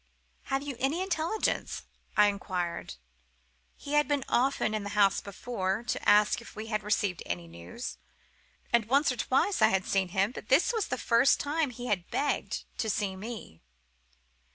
"'Have you any intelligence?' I inquired. He had been often to the house before, to ask if we had received any news; and once or twice I had seen him, but this was the first time he had begged to see me.